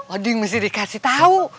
odin mesti dikasih tahu